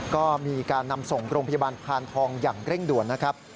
ก็มีการนำส่งโรงพยาบาลพานทองอย่างเร่งด่วนนะครับ